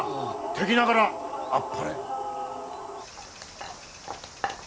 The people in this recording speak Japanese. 敵ながらあっぱれ。